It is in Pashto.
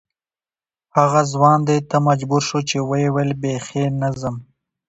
هغه ځوان دې ته مجبور شو چې ویې ویل بې خي نه ځم.